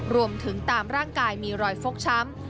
รวมถึงตามร่างกายมีรอยฟกช้ำ